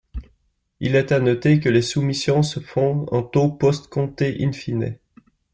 Il est à noter que les soumissions se font en taux post-comptés in fine.